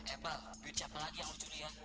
eh pal duit siapa lagi yang lu curian